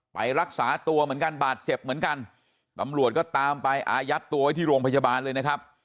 ไปรักษาตัวเหมือนกันบาดเจ็บเหมือนกันตำรวจก็ตามไปอายัดตัวไว้ที่โรงพยาบาลเลยนะครับ